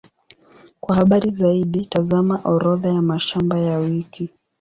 Kwa habari zaidi, tazama Orodha ya mashamba ya wiki.